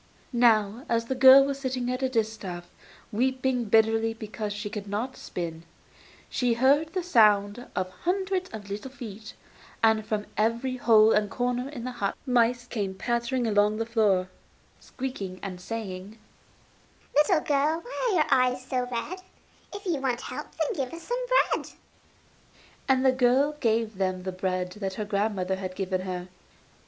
Now, as the girl was sitting at her distaff, weeping bitterly because she could not spin, she heard the sound of hundreds of little feet, and from every hole and corner in the hut mice came pattering along the floor, squeaking and saying: 'Little girl, why are your eyes so red? If you want help, then give us some bread.' And the girl gave them the bread that her grandmother had given her.